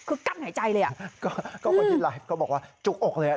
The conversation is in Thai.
คือกั้นหายใจเลยอ่ะก็คนที่ไลฟ์ก็บอกว่าจุกอกเลยอ่ะ